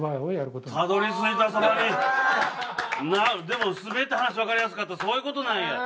でも全て話分かりやすかったそういうことなんや。